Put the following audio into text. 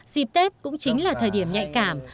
dịp tết cũng chính là thời điểm nhạy cảm